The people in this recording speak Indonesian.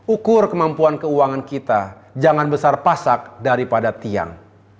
ukur kemampuan keuangan kita jangan besar pasak daripada tiang